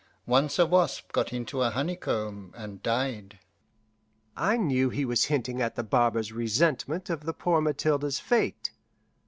Once a wasp got into a honeycomb and died." I knew he was hinting at the barber's resentment of the poor Mathilde's fate.